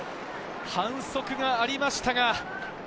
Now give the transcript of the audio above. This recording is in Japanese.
反則がありましたか？